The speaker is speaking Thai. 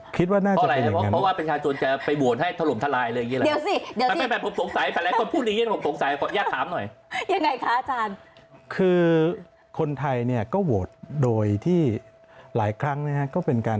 คิดว่าน่าจะเป็นอย่างนั้น